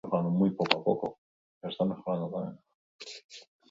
Tolosaldean zegoen, Oria ibaiaren ertzetan.